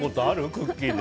クッキーで。